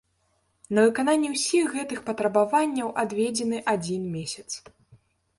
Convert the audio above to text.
На выкананне ўсіх гэтых патрабаванняў адведзены адзін месяц.